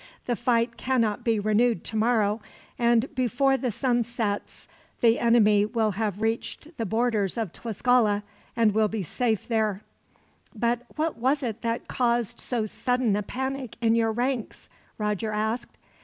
The fight cannot be renewed tomorrow, and before the sun sets the enemy will have reached the borders of Tlascala, and will be safe there." "But what was it that caused so sudden a panic in your ranks?" Roger asked.